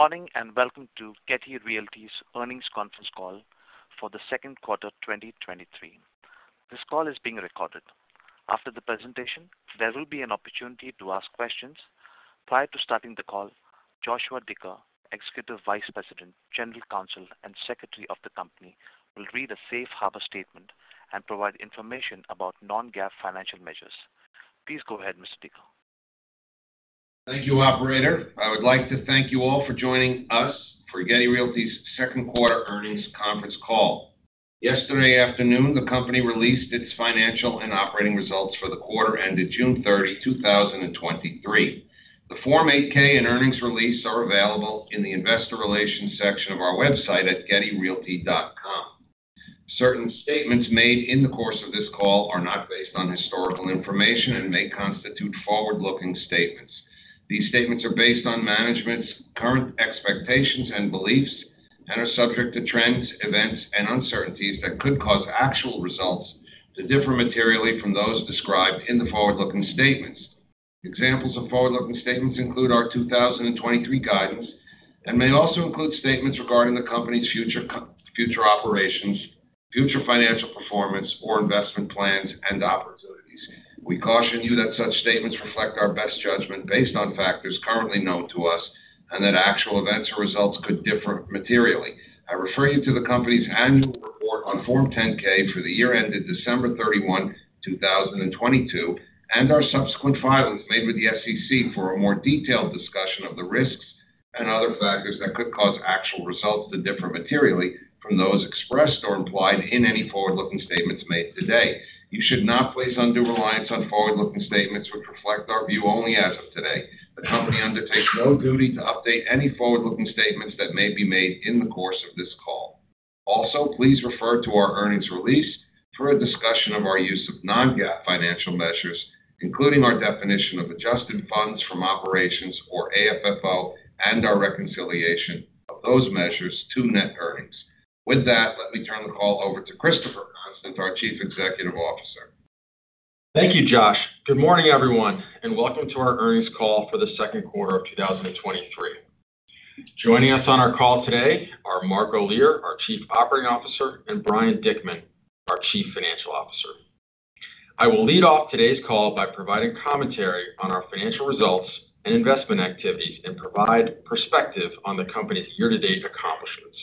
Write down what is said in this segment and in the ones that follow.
Morning, welcome to Getty Realty's Earnings Conference Call for the second quarter of 2023. This call is being recorded. After the presentation, there will be an opportunity to ask questions. Prior to starting the call, Joshua Dicker, Executive Vice President, General Counsel, and Secretary of the company, will read a safe harbor statement and provide information about non-GAAP financial measures. Please go ahead, Mr. Dicker. Thank you, operator. I would like to thank you all for joining us for Getty Realty's second quarter earnings conference call. Yesterday afternoon, the company released its financial and operating results for the quarter ended June 30, 2023. The Form 8-K and earnings release are available in the Investor Relations section of our website at gettyrealty.com. Certain statements made in the course of this call are not based on historical information and may constitute forward-looking statements. These statements are based on management's current expectations and beliefs and are subject to trends, events, and uncertainties that could cause actual results to differ materially from those described in the forward-looking statements. Examples of forward-looking statements include our 2023 guidance and may also include statements regarding the company's future operations, future financial performance, or investment plans and opportunities. We caution you that such statements reflect our best judgment based on factors currently known to us, and that actual events or results could differ materially. I refer you to the company's annual report on Form 10-K for the year ended December 31, 2022, and our subsequent filings made with the SEC for a more detailed discussion of the risks and other factors that could cause actual results to differ materially from those expressed or implied in any forward-looking statements made today. You should not place undue reliance on forward-looking statements, which reflect our view only as of today. The company undertakes no duty to update any forward-looking statements that may be made in the course of this call. Also, please refer to our earnings release for a discussion of our use of non-GAAP financial measures, including our definition of adjusted funds from operations, or AFFO, and our reconciliation of those measures to net earnings. With that, let me turn the call over to Christopher Constant, our Chief Executive Officer. Thank you, Josh. Good morning, everyone, and welcome to our earnings call for the second quarter of 2023. Joining us on our call today are Mark O'Leary, our Chief Operating Officer, and Brian Dickman, our Chief Financial Officer. I will lead off today's call by providing commentary on our financial results and investment activities and provide perspective on the company's year-to-date accomplishments.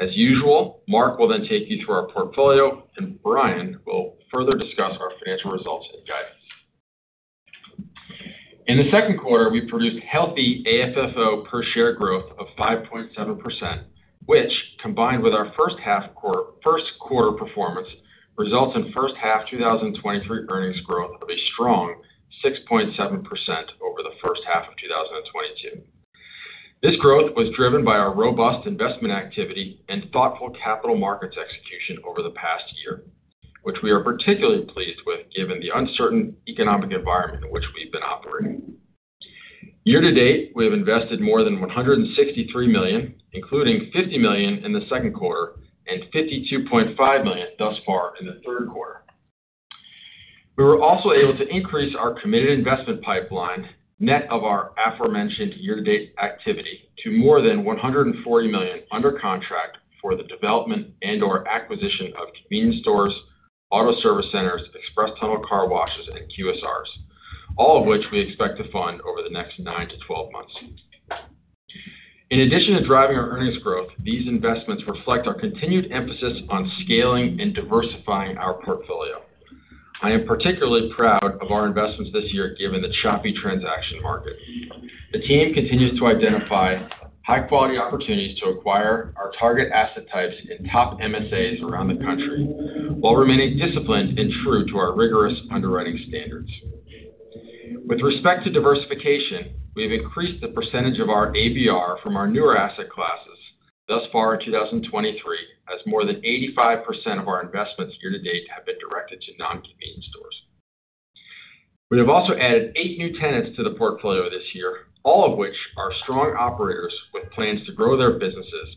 As usual, Mark will then take you through our portfolio, and Brian will further discuss our financial results and guidance. In the second quarter, we produced healthy AFFO per share growth of 5.7%, which, combined with our first quarter performance, results in first half 2023 earnings growth of a strong 6.7% over the first half of 2022. This growth was driven by our robust investment activity and thoughtful capital markets execution over the past year, which we are particularly pleased with given the uncertain economic environment in which we've been operating. Year-to-date, we have invested more than $163 million, including $50 million in the second quarter and $52.5 million thus far in the third quarter. We were also able to increase our committed investment pipeline, net of our aforementioned year-to-date activity, to more than $140 million under contract for the development and/or acquisition of convenience stores, auto service centers, express tunnel car washes, and QSRs, all of which we expect to fund over the next nine to 12 months. In addition to driving our earnings growth, these investments reflect our continued emphasis on scaling and diversifying our portfolio. I am particularly proud of our investments this year, given the choppy transaction market. The team continues to identify high-quality opportunities to acquire our target asset types in top MSAs around the country while remaining disciplined and true to our rigorous underwriting standards. With respect to diversification, we've increased the percentage of our ABR from our newer asset classes thus far in 2023, as more than 85% of our investments year to date have been directed to non-convenience stores. We have also added eight new tenants to the portfolio this year, all of which are strong operators with plans to grow their businesses.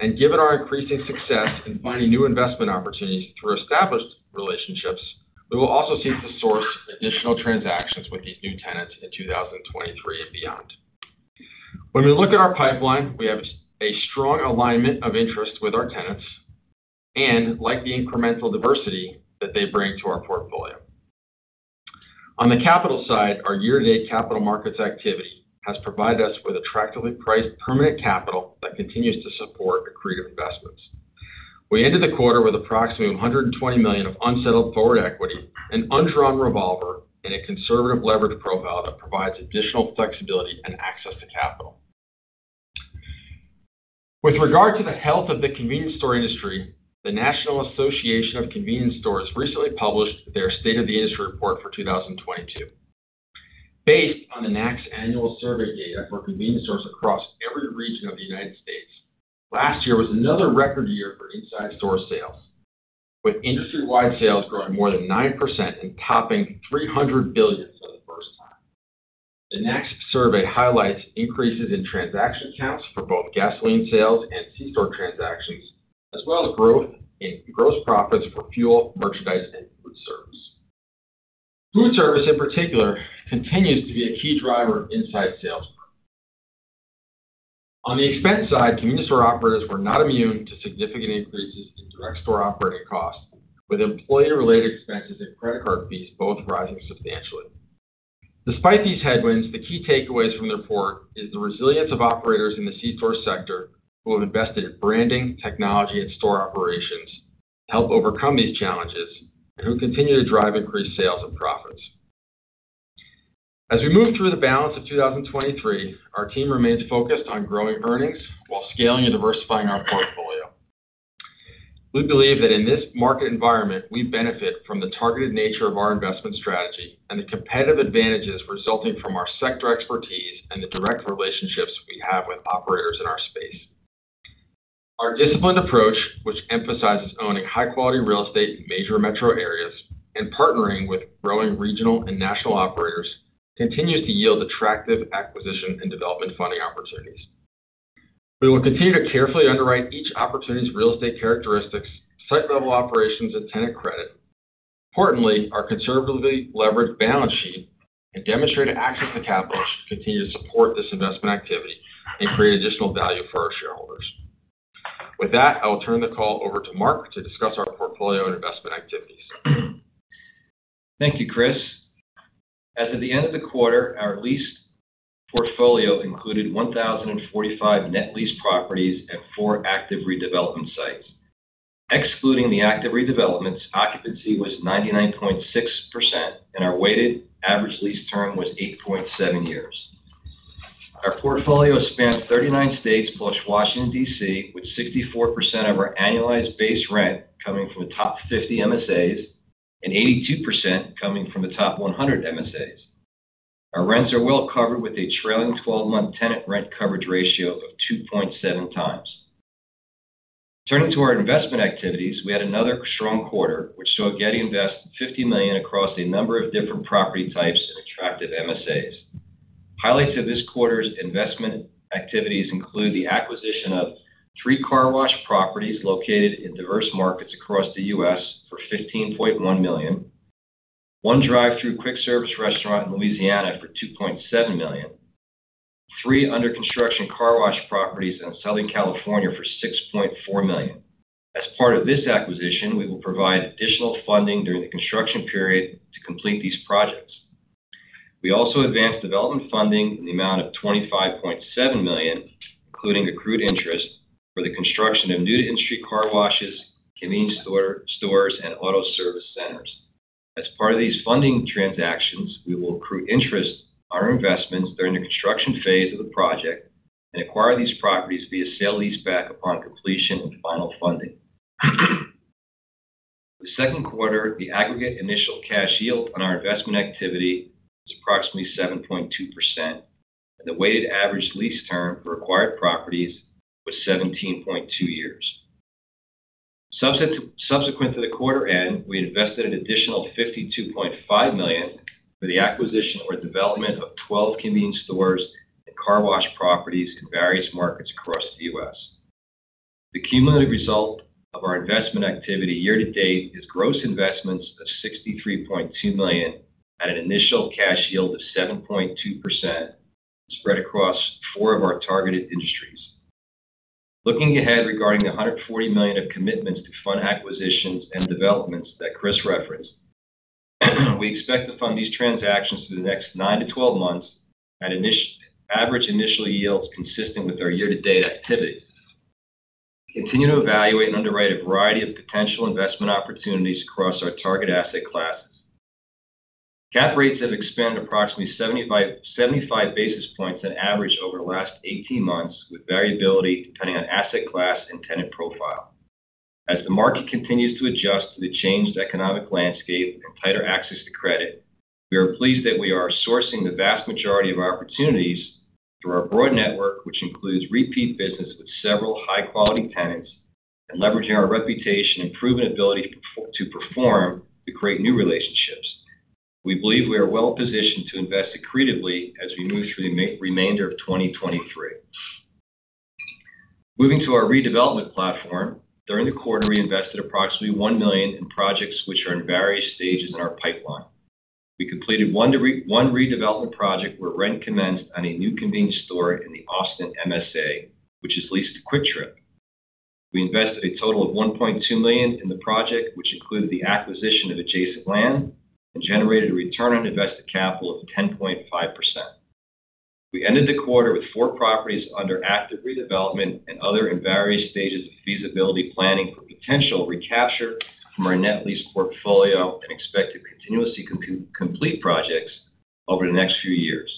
Given our increasing success in finding new investment opportunities through established relationships, we will also seek to source additional transactions with these new tenants in 2023 and beyond. When we look at our pipeline, we have a strong alignment of interest with our tenants and like the incremental diversity that they bring to our portfolio. On the capital side, our year-to-date capital markets activity has provided us with attractively priced permanent capital that continues to support accretive investments. We ended the quarter with approximately $120 million of unsettled forward equity, an undrawn revolver, and a conservative levered profile that provides additional flexibility and access to capital. With regard to the health of the convenience store industry, the National Association of Convenience Stores recently published their State of the Industry report for 2022. Based on the NACS annual survey data for convenience stores across every region of the United States, last year was another record year for inside store sales, with industry-wide sales growing more than 9% and topping $300 billion for the first time. The NACS survey highlights increases in transaction counts for both gasoline sales and C-store transactions, as well as growth in gross profits for fuel, merchandise, and. Food service in particular, continues to be a key driver of inside sales. On the expense side, convenience store operators were not immune to significant increases in direct store operating costs, with employee-related expenses and credit card fees both rising substantially. Despite these headwinds, the key takeaways from the report is the resilience of operators in the C-store sector, who have invested in branding, technology, and store operations to help overcome these challenges, and who continue to drive increased sales and profits. As we move through the balance of 2023, our team remains focused on growing earnings while scaling and diversifying our portfolio. We believe that in this market environment, we benefit from the targeted nature of our investment strategy and the competitive advantages resulting from our sector expertise and the direct relationships we have with operators in our space. Our disciplined approach, which emphasizes owning high-quality real estate in major metro areas and partnering with growing regional and national operators, continues to yield attractive acquisition and development funding opportunities. We will continue to carefully underwrite each opportunity's real estate characteristics, site-level operations, and tenant credit. Importantly, our conservatively leveraged balance sheet and demonstrated access to capital should continue to support this investment activity and create additional value for our shareholders. With that, I will turn the call over to Mark to discuss our portfolio and investment activities. Thank you, Chris. As of the end of the quarter, our leased portfolio included 1,045 net leased properties and four active redevelopment sites. Excluding the active redevelopments, occupancy was 99.6%, and our weighted average lease term was 8.7 years. Our portfolio spans 39 states plus Washington, D.C., with 64% of our annualized base rent coming from the top 50 MSAs, and 82% coming from the top 100 MSAs. Our rents are well covered, with a trailing 12-month tenant rent coverage ratio of 2.7x. Turning to our investment activities, we had another strong quarter, which saw Getty invest $50 million across a number of different property types in attractive MSAs. Highlights of this quarter's investment activities include the acquisition of three car wash properties located in diverse markets across the U.S. for $15.1 million, 1 drive-through quick service restaurant in Louisiana for $2.7 million, three under-construction car wash properties in Southern California for $6.4 million. As part of this acquisition, we will provide additional funding during the construction period to complete these projects. We also advanced development funding in the amount of $25.7 million, including accrued interest, for the construction of new industry car washes, convenience stores, and auto service centers. As part of these funding transactions, we will accrue interest on our investments during the construction phase of the project and acquire these properties via sale leaseback upon completion of the final funding. For the second quarter, the aggregate initial cash yield on our investment activity was approximately 7.2%, and the weighted average lease term for acquired properties was 17.2 years. Subsequent to the quarter end, we invested an additional $52.5 million for the acquisition or development of 12 convenience stores and car wash properties in various markets across the U.S. The cumulative result of our investment activity year-to-date is gross investments of $63.2 million at an initial cash yield of 7.2%, spread across four of our targeted industries. Looking ahead, regarding the $140 million of commitments to fund acquisitions and developments that Chris referenced, we expect to fund these transactions through the next nine-12 months at average initial yields consistent with our year-to-date activity. We continue to evaluate and underwrite a variety of potential investment opportunities across our target asset classes. Cap rates have expanded approximately 75 basis points on average over the last 18 months, with variability depending on asset class and tenant profile. As the market continues to adjust to the changed economic landscape and tighter access to credit, we are pleased that we are sourcing the vast majority of our opportunities through our broad network, which includes repeat business with several high-quality tenants, and leveraging our reputation and proven ability to perform to create new relationships. We believe we are well positioned to invest accretively as we move through the remainder of 2023. Moving to our redevelopment platform. During the quarter, we invested approximately $1 million in projects which are in various stages in our pipeline. We completed one redevelopment project, where rent commenced on a new convenience store in the Austin MSA, which is leased to Kwik Trip. We invested a total of $1.2 million in the project, which included the acquisition of adjacent land, and generated a return on invested capital of 10.5%. We ended the quarter with four properties under active redevelopment and other in various stages of feasibility planning for potential recapture from our net lease portfolio and expect to continuously complete projects over the next few years.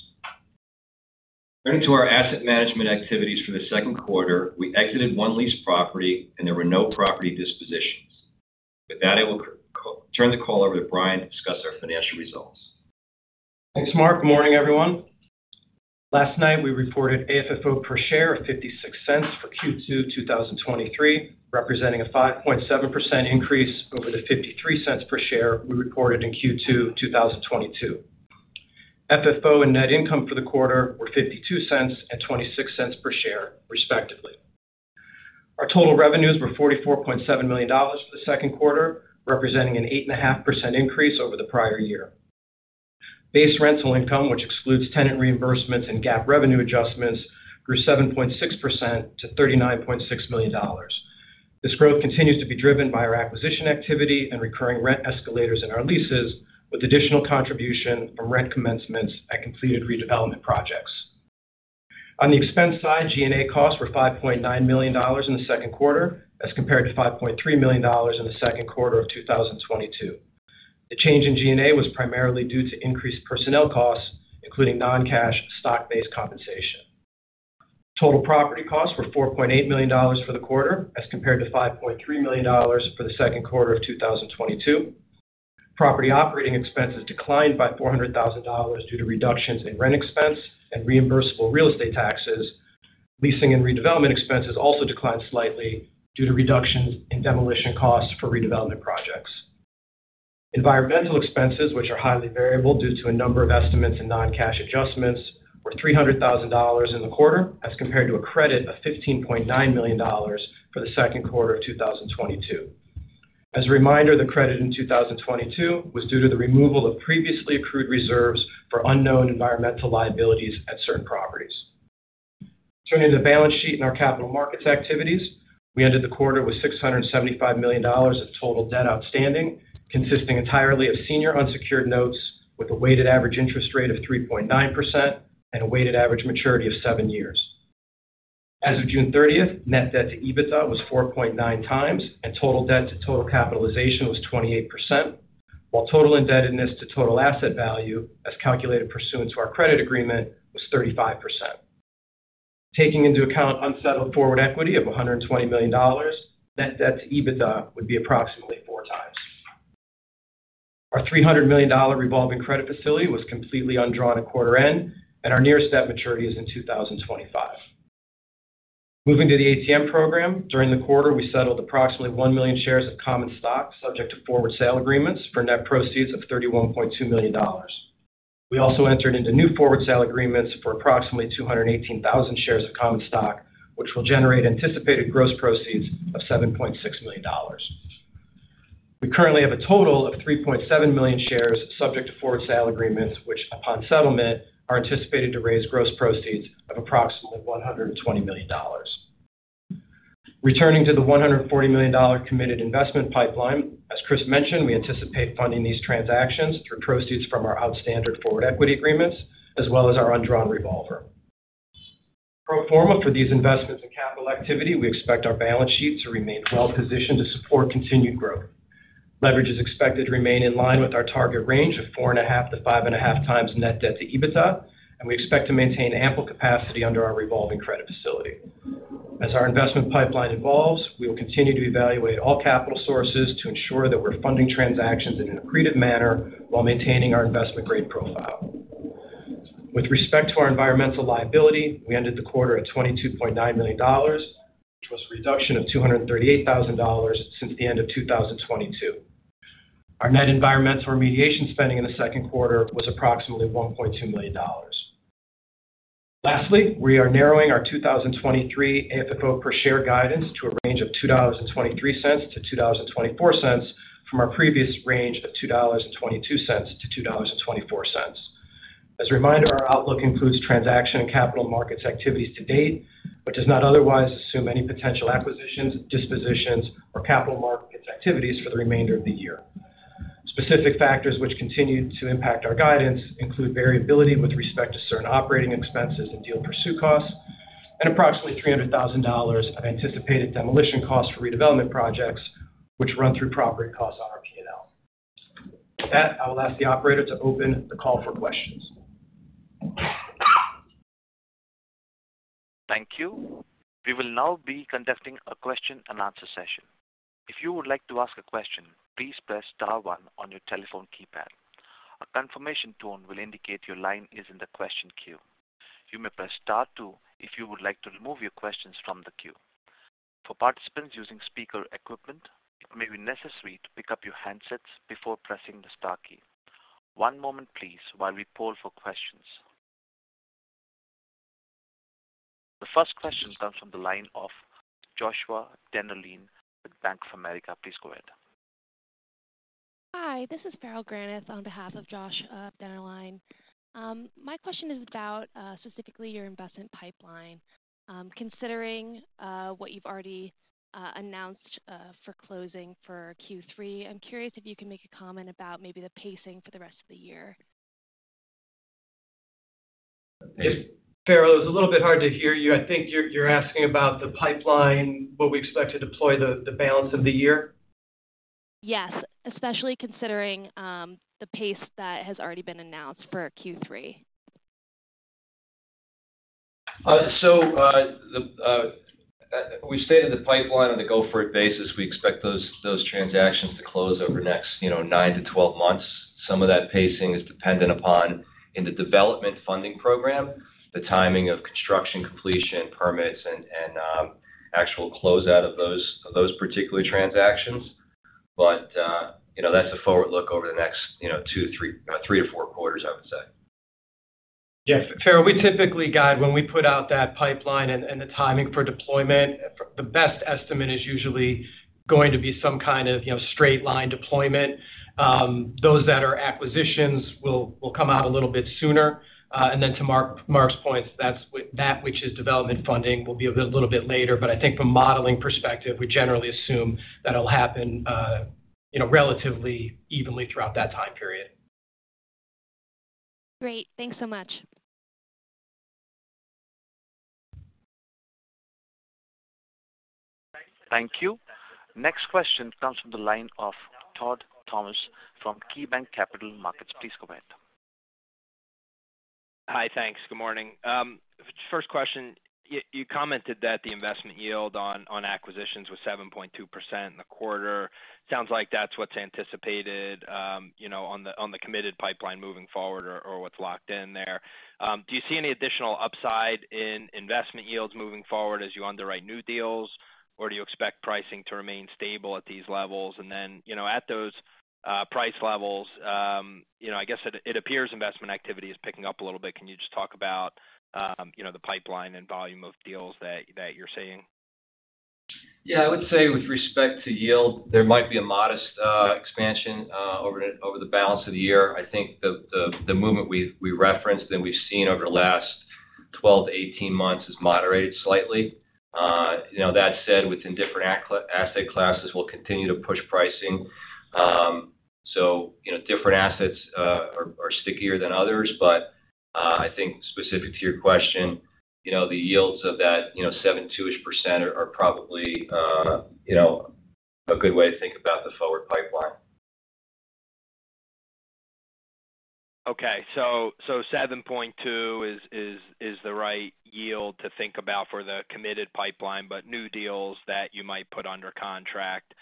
Turning to our asset management activities for the second quarter, we exited one leased property and there were no property dispositions. With that, I will turn the call over to Brian to discuss our financial results. Thanks, Mark. Good morning, everyone. Last night, we reported AFFO per share of $0.56 for Q2 2023, representing a 5.7% increase over the $0.53 per share we reported in Q2 2022. FFO and net income for the quarter were $0.52 and $0.26 per share, respectively.... Our total revenues were $44.7 million for the second quarter, representing an 8.5% increase over the prior year. Base rental income, which excludes tenant reimbursements and GAAP revenue adjustments, grew 7.6% to $39.6 million. This growth continues to be driven by our acquisition activity and recurring rent escalators in our leases, with additional contribution from rent commencements at completed redevelopment projects. On the expense side, G&A costs were $5.9 million in the second quarter, as compared to $5.3 million in the second quarter of 2022. The change in G&A was primarily due to increased personnel costs, including non-cash stock-based compensation. Total property costs were $4.8 million for the quarter, as compared to $5.3 million for the second quarter of 2022. Property operating expenses declined by $400,000 due to reductions in rent expense and reimbursable real estate taxes. Leasing and redevelopment expenses also declined slightly due to reductions in demolition costs for redevelopment projects. Environmental expenses, which are highly variable due to a number of estimates and non-cash adjustments, were $300,000 in the quarter, as compared to a credit of $15.9 million for the second quarter of 2022. As a reminder, the credit in 2022 was due to the removal of previously accrued reserves for unknown environmental liabilities at certain properties. Turning to the balance sheet and our capital markets activities, we ended the quarter with $675 million of total debt outstanding, consisting entirely of senior unsecured notes, with a weighted average interest rate of 3.9% and a weighted average maturity of seven years. As of June 30th, net debt to EBITDA was 4.9x, and total debt to total capitalization was 28%, while total indebtedness to total asset value, as calculated pursuant to our credit agreement, was 35%. Taking into account unsettled forward equity of $120 million, net debt to EBITDA would be approximately 4x. Our $300 million revolving credit facility was completely undrawn at quarter end, and our nearest debt maturity is in 2025. Moving to the ATM program. During the quarter, we settled approximately 1 million shares of common stock, subject to forward sale agreements for net proceeds of $31.2 million. We also entered into new forward sale agreements for approximately 218,000 shares of common stock, which will generate anticipated gross proceeds of $7.6 million. We currently have a total of 3.7 million shares subject to forward sale agreements, which, upon settlement, are anticipated to raise gross proceeds of approximately $120 million. Returning to the $140 million committed investment pipeline, as Chris mentioned, we anticipate funding these transactions through proceeds from our outstanding forward equity agreements, as well as our undrawn revolver. Pro forma for these investments in capital activity, we expect our balance sheet to remain well positioned to support continued growth. Leverage is expected to remain in line with our target range of 4.5x to 5.5x net debt to EBITDA. We expect to maintain ample capacity under our revolving credit facility. As our investment pipeline evolves, we will continue to evaluate all capital sources to ensure that we're funding transactions in an accretive manner while maintaining our investment grade profile. With respect to our environmental liability, we ended the quarter at $22.9 million, which was a reduction of $238,000 since the end of 2022. Our net environmental remediation spending in the second quarter was approximately $1.2 million. Lastly, we are narrowing our 2023 AFFO per share guidance to a range of $2.23-$2.24, from our previous range of $2.22-$2.24. As a reminder, our outlook includes transaction and capital markets activities to date, but does not otherwise assume any potential acquisitions, dispositions, or capital markets activities for the remainder of the year. Specific factors which continue to impact our guidance include variability with respect to certain operating expenses and deal pursue costs, and approximately $300,000 of anticipated demolition costs for redevelopment projects, which run through property costs on our P&L. With that, I will ask the operator to open the call for questions. Thank you. We will now be conducting a question and answer session. If you would like to ask a question, please press star one on your telephone keypad. A confirmation tone will indicate your line is in the question queue. You may press star two if you would like to remove your questions from the queue. For participants using speaker equipment, it may be necessary to pick up your handsets before pressing the star key. One moment please while we poll for questions. The first question comes from the line of Joshua Dennerlein with Bank of America. Please go ahead. Hi, this is Farrell Granath on behalf of Josh Dennerlein. My question is about specifically your investment pipeline. Considering what you've already announced for closing for Q3, I'm curious if you can make a comment about maybe the pacing for the rest of the year. Farrell, it's a little bit hard to hear you. I think you're asking about the pipeline, what we expect to deploy the balance of the year? Yes, especially considering, the pace that has already been announced for Q3. We stated the pipeline on a go-forward basis. We expect those transactions to close over the next nine-12 months. Some of that pacing is dependent upon, in the development funding program, the timing of construction, completion, permits, and actual closeout of those particular transactions. you know, that's a forward look over the next, you know, two-three or four quarters, I would say. Yes, Tara, we typically guide when we put out that pipeline and, and the timing for deployment, the best estimate is usually going to be some kind of, you know, straight line deployment. Those that are acquisitions will come out a little bit sooner. Then to Mark's points, that, which is development funding, will be a little bit later, but I think from a modeling perspective, we generally assume that it'll happen, you know, relatively evenly throughout that time period. Great. Thanks so much. Thank you. Next question comes from the line of Todd Thomas from KeyBanc Capital Markets. Please go ahead. Hi. Thanks. Good morning. First question, you commented that the investment yield on acquisitions was 7.2% in the quarter. Sounds like that's what's anticipated, you know, on the committed pipeline moving forward or what's locked in there. Do you see any additional upside in investment yields moving forward as you underwrite new deals? Or do you expect pricing to remain stable at these levels? You know, at those price levels, you know, I guess it appears investment activity is picking up a little bit. Can you just talk about, you know, the pipeline and volume of deals that you're seeing? I would say with respect to yield, there might be a modest expansion over the balance of the year. I think the movement we've, we referenced and we've seen over the last 12 to 18 months has moderated slightly. You know, that said, within different asset classes, we'll continue to push pricing. You know, different assets are stickier than others. I think specific to your question, you know, the yields of that, you know, 7.2%-ish are probably, you know, a good way to think about the forward pipeline. 7.2 is the right yield to think about for the committed pipeline, but new deals that you might put under contract,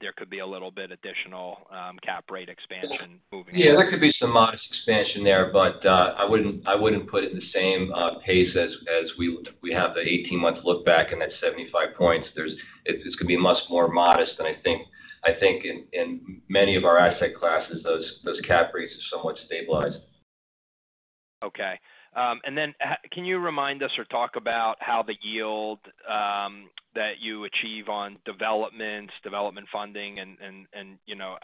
there could be a little bit additional cap rate expansion moving forward. Yeah, there could be some modest expansion there, but I wouldn't put it in the same pace as we have the 18-month look back and that 75 points. It's gonna be much more modest than I think in many of our asset classes, those cap rates have somewhat stabilized. Okay. Can you remind us or talk about how the yield that you achieve on developments, development funding and, you know,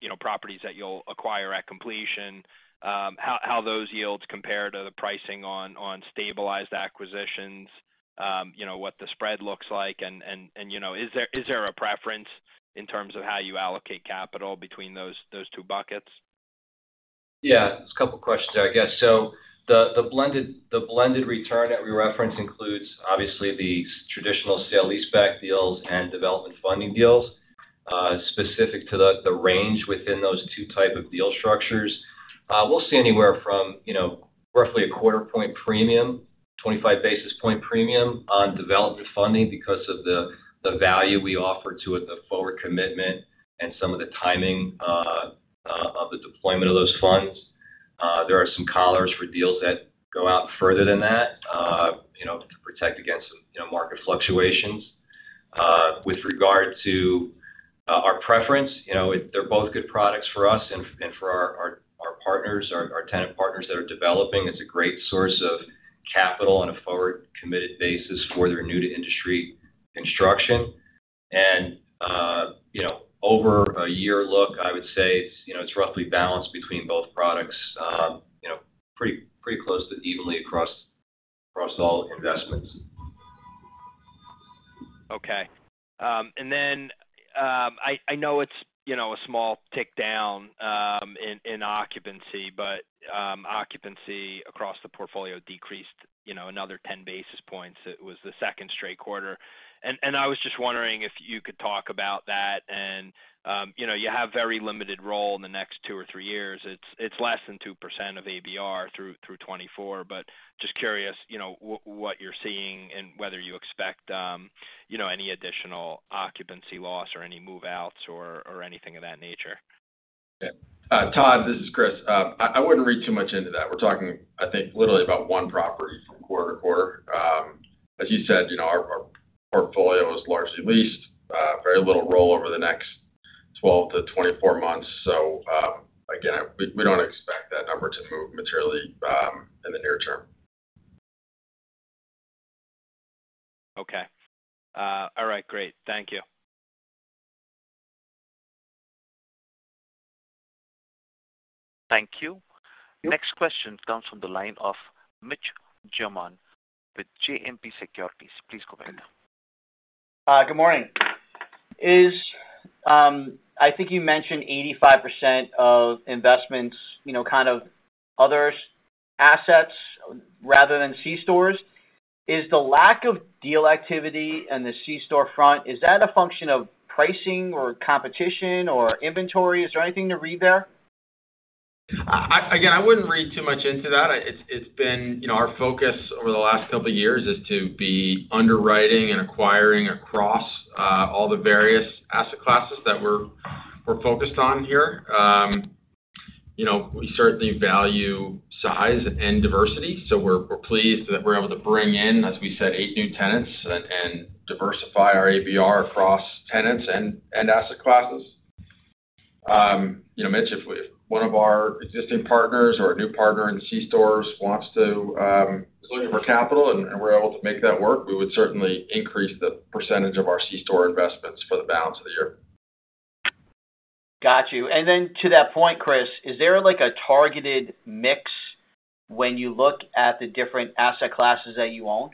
you know, properties that you'll acquire at completion, how those yields compare to the pricing on stabilized acquisitions, you know, what the spread looks like, and, you know, is there a preference in terms of how you allocate capital between those two buckets? Yeah, there's a couple questions there, I guess. The blended return that we reference includes, obviously, the traditional sale-leaseback deals and development funding deals. Specific to the range within those two type of deal structures, we'll see anywhere from, you know, roughly a quarter point premium, 25 basis point premium on development funding because of the value we offer to it, the forward commitment and some of the timing of the deployment of those funds. There are some collars for deals that go out further than that, you know, to protect against some, you know, market fluctuations. With regard to our preference, you know, they're both good products for us and for our partners, our tenant partners that are developing. It's a great source of capital on a forward, committed basis for their new-to-industry construction. You know, over a year look, I would say, you know, it's roughly balanced between both products, you know, pretty, pretty close to evenly across, across all investments. Okay. I know it's, you know, a small tick down in occupancy, but occupancy across the portfolio decreased, you know, another 10 basis points. It was the second straight quarter. I was just wondering if you could talk about that. You know, you have very limited role in the next two or three years. It's less than 2% of ABR through 2024, but just curious, you know, what you're seeing and whether you expect, you know, any additional occupancy loss or any move-outs or anything of that nature. Yeah. Todd, this is Chris. I wouldn't read too much into that. We're talking, I think, literally about one property from quarter to quarter. As you said, you know, our portfolio is largely leased, very little roll over the next 12 to 24 months. Again, we don't expect that number to move materially in the near term. Okay. All right, great. Thank you. Thank you. Next question comes from the line of Mitch Germain with JMP Securities. Please go ahead. Good morning. Is, I think you mentioned 85% of investments, you know, kind of others assets rather than C-stores. Is the lack of deal activity in the C-store front, is that a function of pricing or competition or inventory? Is there anything to read there? I, again, I wouldn't read too much into that. It's been, you know, our focus over the last couple of years is to be underwriting and acquiring across all the various asset classes that we're focused on here. You know, we certainly value size and diversity, so we're pleased that we're able to bring in, as we said, eight new tenants and diversify our ABR across tenants and asset classes.... you know, Mitch, if we, one of our existing partners or a new partner in the C-stores wants to, is looking for capital and we're able to make that work, we would certainly increase the percentage of our C-store investments for the balance of the year. Got you. To that point, Chris, is there like a targeted mix when you look at the different asset classes that you own?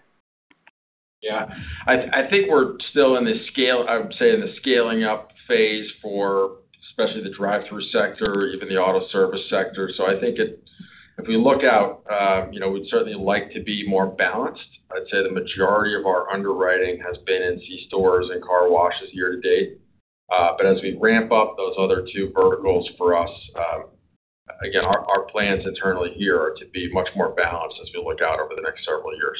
Yeah. I, I think we're still in the scaling up phase for especially the drive-through sector, even the auto service sector. I think if we look out, you know, we'd certainly like to be more balanced. I'd say the majority of our underwriting has been in C-stores and car washes year to date. As we ramp up those other two verticals for us, again, our, our plans internally here are to be much more balanced as we look out over the next several years.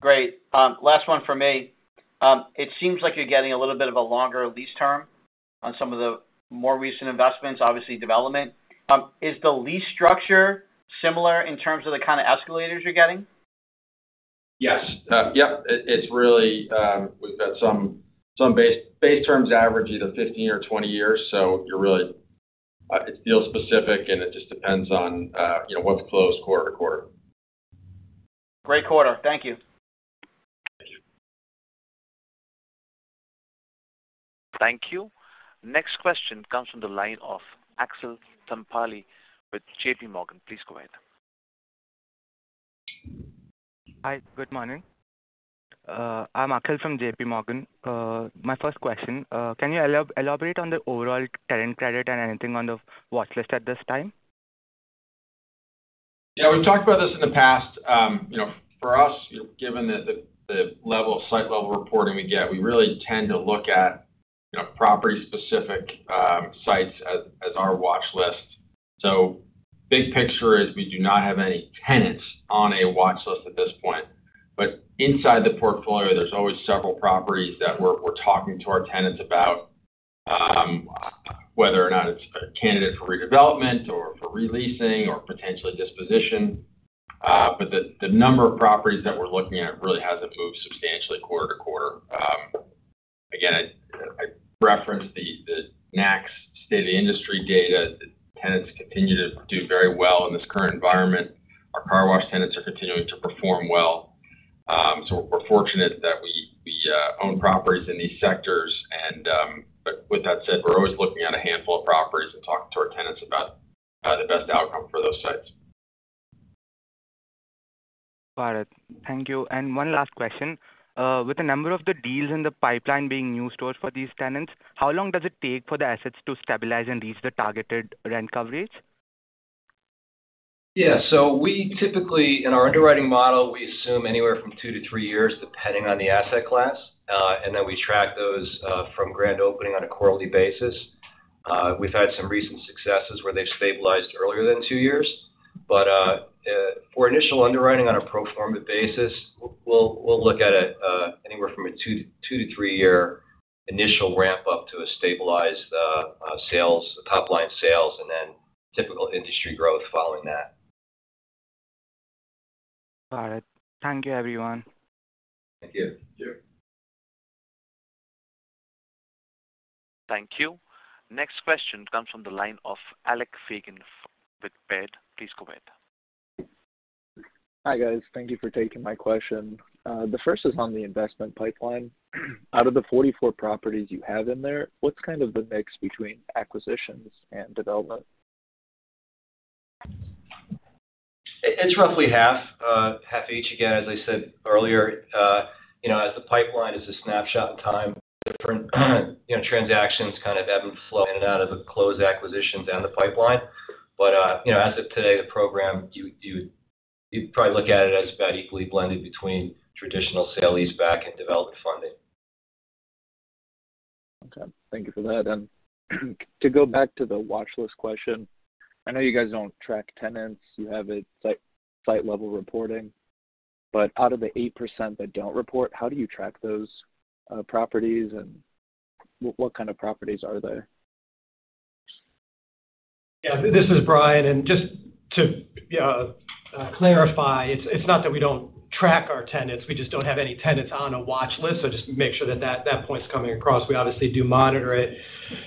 Great. Last one from me. It seems like you're getting a little bit of a longer lease term on some of the more recent investments, obviously, development. Is the lease structure similar in terms of the kind of escalators you're getting? Yes. Yep, it's really, we've got some base terms average either 15 or 20 years. You're really, it's deal specific. It just depends on, you know, what's closed quarter to quarter. Great quarter. Thank you. Thank you. Thank you. Next question comes from the line of Akhil Guntupalli with JPMorgan. Please go ahead. Hi, good morning. I'm Akhil from JPMorgan. My first question, can you elaborate on the overall tenant credit and anything on the watchlist at this time? Yeah, we've talked about this in the past. You know, for us, given the level of site-level reporting we get, we really tend to look at, you know, property-specific sites as our watchlist. Big picture is we do not have any tenants on a watchlist at this point, but inside the portfolio, there's always several properties that we're talking to our tenants about, whether or not it's a candidate for redevelopment or for re-leasing or potentially disposition. The number of properties that we're looking at really hasn't moved substantially quarter to quarter. Again, I referenced the NACS State of the Industry data. The tenants continue to do very well in this current environment. Our car wash tenants are continuing to perform well. We're fortunate that we own properties in these sectors and, but with that said, we're always looking at a handful of properties and talking to our tenants about the best outcome for those sites. Got it. Thank you. One last question. With the number of the deals in the pipeline being new stores for these tenants, how long does it take for the assets to stabilize and reach the targeted rent coverage? We typically, in our underwriting model, we assume anywhere from two to three years, depending on the asset class, and then we track those from grand opening on a quarterly basis. We've had some recent successes where they've stabilized earlier than two years, for initial underwriting on a pro forma basis, we'll look at it anywhere from a two to three-year initial ramp-up to a stabilized sales, top-line sales and then typical industry growth following that. Got it. Thank you, everyone. Thank you. Thank you. Next question comes from the line of Alec Pigeon with Baird. Please go ahead. Hi, guys. Thank you for taking my question. The first is on the investment pipeline. Out of the 44 properties you have in there, what's kind of the mix between acquisitions and development? It's roughly half, half each. Again, as I said earlier, you know, as the pipeline is a snapshot in time, different, you know, transactions kind of ebb and flow in and out of the closed acquisitions down the pipeline. You know, as of today, the program, you'd probably look at it as about equally blended between traditional sale-leaseback and development funding. Okay, thank you for that. To go back to the watchlist question, I know you guys don't track tenants. You have a site, site-level reporting, but out of the 8% that don't report, how do you track those properties, and what kind of properties are there? Yeah, this is Brian. just to clarify, it's not that we don't track our tenants, we just don't have any tenants on a watchlist. just to make sure that point is coming across, we obviously do monitor it.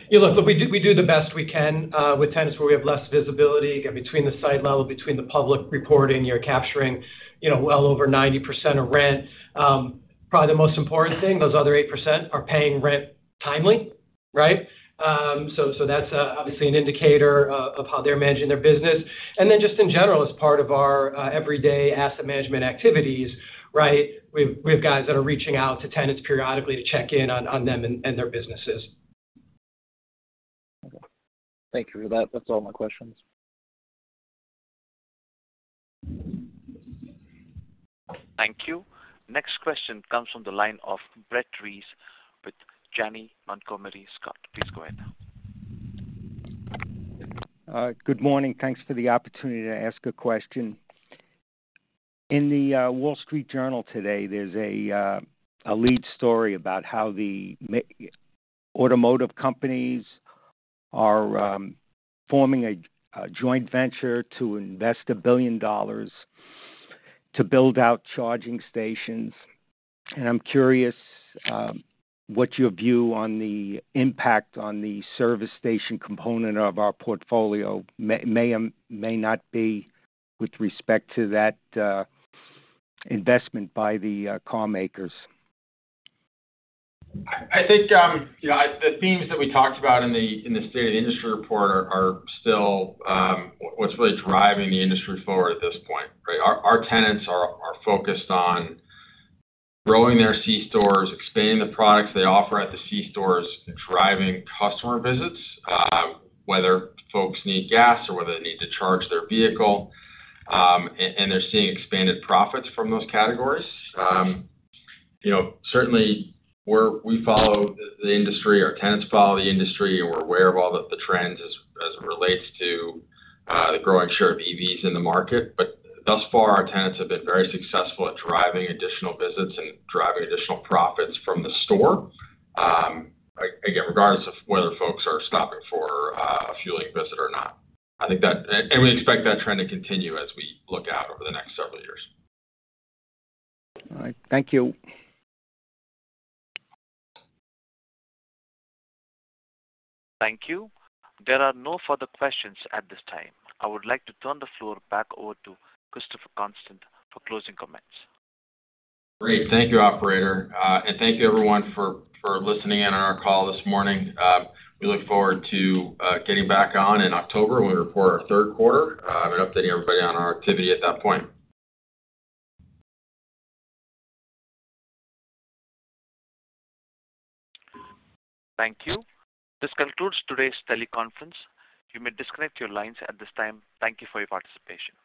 You know, look, we do the best we can with tenants where we have less visibility. Again, between the site level, between the public reporting, you're capturing, you know, well over 90% of rent. Probably the most important thing, those other 8% are paying rent timely, right? that's obviously an indicator of how they're managing their business. just in general, as part of our everyday asset management activities, right, we've guys that are reaching out to tenants periodically to check in on them and their businesses. Okay. Thank you for that. That's all my questions. Thank you. Next question comes from the line of Brett Reiss with Janney Montgomery Scott. Please go ahead now. Good morning. Thanks for the opportunity to ask a question. In The Wall Street Journal today, there's a lead story about how the automotive companies are forming a joint venture to invest $1 billion to build out charging stations. I'm curious what your view on the impact on the service station component of our portfolio may not be with respect to that investment by the carmakers. I think, you know, the themes that we talked about in the State of the Industry Report are still what's really driving the industry forward at this point, right? Our tenants are focused on growing their C-stores, expanding the products they offer at the C-stores, and driving customer visits, whether folks need gas or whether they need to charge their vehicle. And they're seeing expanded profits from those categories. You know, certainly we follow the industry, our tenants follow the industry, and we're aware of all of the trends as it relates to the growing share of EVs in the market. Thus far, our tenants have been very successful at driving additional visits and driving additional profits from the store. Again, regardless of whether folks are stopping for a fueling visit or not. I think that. We expect that trend to continue as we look out over the next several years. All right. Thank you. Thank you. There are no further questions at this time. I would like to turn the floor back over to Christopher Constant for closing comments. Great. Thank you, operator. Thank you everyone for listening in on our call this morning. We look forward to getting back on in October when we report our third quarter and updating everybody on our activity at that point. Thank you. This concludes today's teleconference. You may disconnect your lines at this time. Thank you for your participation.